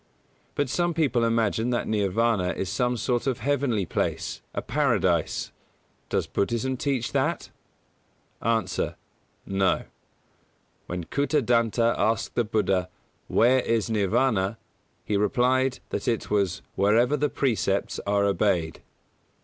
But some people imagine that Nirvāna is some sort of heavenly place, a Paradise. Does Buddhism teach that? A. No. When Kūtadanta asked the Buddha "Where is Nirvāna," he replied that it was "wherever the precepts are obeyed".